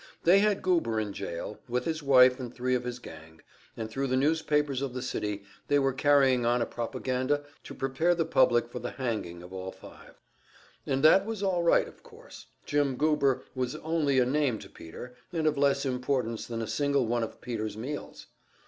They had Goober in jail, with his wife and three of his gang, and thru the newspapers of the city they were carrying on a propaganda to prepare the public for the hanging of all five. And that was all right, of course; Jim Goober was only a name to Peter, and of less importance than a single one of Peter's meals.